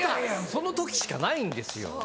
その時しかないんですよ